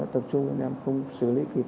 tập trung nên em không xử lý kịp